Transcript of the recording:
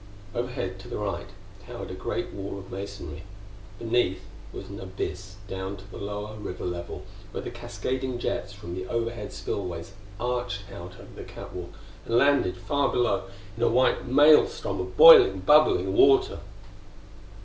Overhead to the right towered a great wall of masonry. Beneath was an abyss down to the lower river level where the cascading jets from the overhead spillways arched out over the catwalk and landed far below in a white maelstrom of boiling, bubbling water.